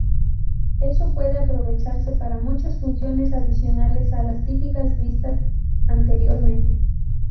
Eso puede aprovecharse para muchas funciones adicionales a las típicas vistas anteriormente.